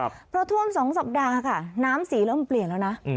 เพราะท่วมสองสัปดาห์ค่ะน้ำสีเริ่มเปลี่ยนแล้วนะ